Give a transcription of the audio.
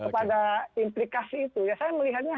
kepada implikasi itu ya saya melihatnya